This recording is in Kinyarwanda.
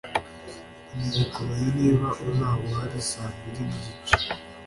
Nkeneye kumenya niba uzaba uhari saa mbiri nigice